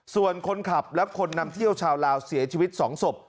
ส่วนคนขับและคนนำเที่ยวชาวลาวเสียชีวิต๒ศพ